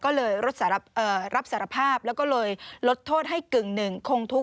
ก็เลยรับสารภาพแล้วก็เลยลดโทษให้กึ่งหนึ่งคงทุกข